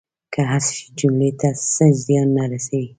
که حذف شي جملې ته څه زیان نه رسوي.